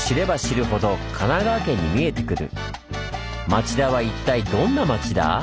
町田は一体どんなマチダ？